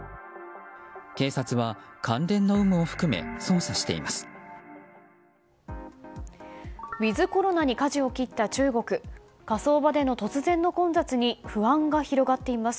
警察は関連の有無を含め捜査しています。